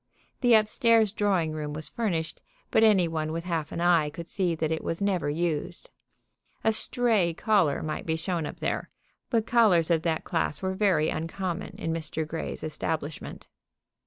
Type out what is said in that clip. The up stairs drawing room was furnished, but any one with half an eye could see that it was never used. A "stray" caller might be shown up there, but callers of that class were very uncommon in Mr. Grey's establishment.